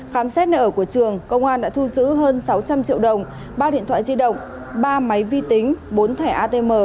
khám xét nơi ở của trường công an đã thu giữ hơn sáu trăm linh triệu đồng ba điện thoại di động ba máy vi tính bốn thẻ atm